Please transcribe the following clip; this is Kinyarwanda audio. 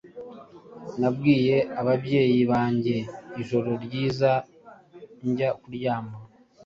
Nabwiye ababyeyi banjye "ijoro ryiza" njya kuryama.